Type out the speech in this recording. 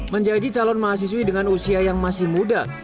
menjadi calon mahasiswi dengan usia yang masih muda